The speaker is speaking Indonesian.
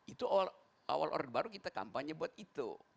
itu awal orde baru kita kampanye buat itu